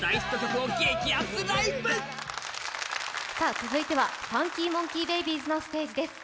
続いてはＦＵＮＫＹＭＯＮＫＥＹＢΛＢＹ’Ｓのステージです。